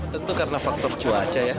tentu karena faktor cuaca ya